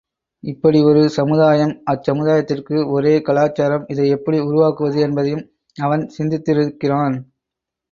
இப்படி ஒரு சமுதாயம், அச்சமுதாயத்திற்கு ஒரே கலாச்சாரம் இதை எப்படி உருவாக்குவது என்பதையும் அவன் சிந்தித்திருக்கிறான்.